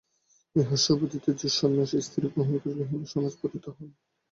ইহা সুবিদিত যে, সন্ন্যাসী স্ত্রী গ্রহণ করিলে হিন্দুসমাজে পতিত হন।